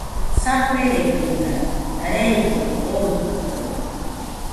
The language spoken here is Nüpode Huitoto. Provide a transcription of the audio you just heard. Saferegɨna reigaɨ oitɨkaɨ